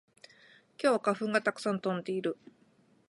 今日は花粉がたくさん飛んでいる